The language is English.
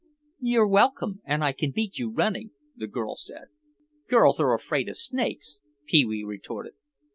"You're welcome—and I can beat you running," the girl said. "Girls are afraid of snakes," Pee wee retorted.